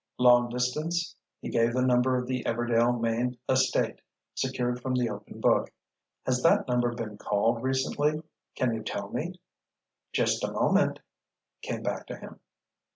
"Long Distance?" He gave the number of the Everdail Maine estate, secured from the open book. "Has that number been called recently? Can you tell me?" "Just a moment," came back to him.